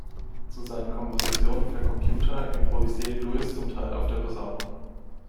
Zu seinen Kompositionen für Computer improvisiert Lewis zum Teil auf der Posaune.